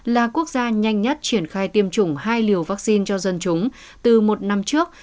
là quốc gia nhanh nhất triển khai tiêm chủng hai liều vaccine cho dân chúng từ một năm trước